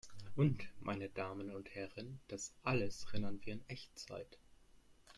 Und, meine Damen und Herren, das alles rendern wir in Echtzeit!